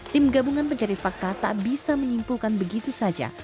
tim gabungan pencari fakta tak bisa menyimpulkan begitu saja